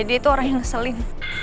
dia itu orang yang seling